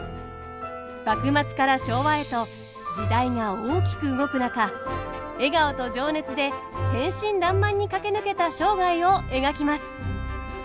幕末から昭和へと時代が大きく動く中笑顔と情熱で天真らんまんに駆け抜けた生涯を描きます。